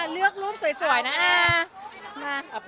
เลือกรูปสวยนะ